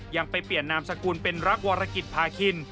ยังไปเปลี่ยนนามสกุลเป็นรักวรกิจพาคิน